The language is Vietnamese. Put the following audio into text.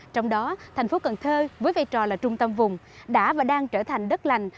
trong đó thành phố cần thơ với vai trò là trung tâm vùng đã và đang trở thành đất lành